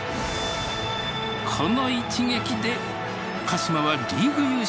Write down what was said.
この一撃で鹿島はリーグ優勝を決めた！